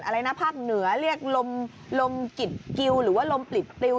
อะไรนะภาคเหนือเรียกลมลมกิดกิวหรือว่าลมปลิดปลิว